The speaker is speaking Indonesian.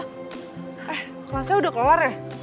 eh kelasnya udah kelar ya